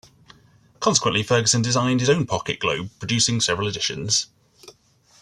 Consequently, Ferguson designed his own pocket globe, producing several editions.